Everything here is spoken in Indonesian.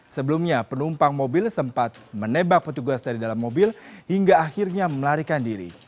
sebelumnya penumpang mobil sempat menebak petugas dari dalam mobil hingga akhirnya melarikan diri